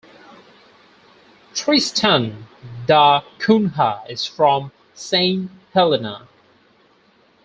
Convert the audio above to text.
Tristan da Cunha is from Saint Helena.